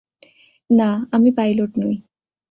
না, আমি পাইলট নই।